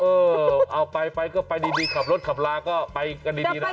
เออเอาไปไปก็ไปดีขับรถขับลาก็ไปกันดีนะ